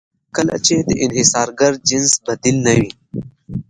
کله چې د انحصارګر جنس بدیل نه وي.